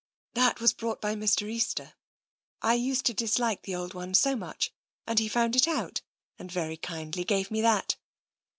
" That was brought by Mr. Easter. I used to dis like the old one so much, and he found it out, and very kindly gave me that."